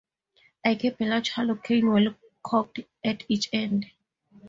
I kept a large hollow cane well corked at each end.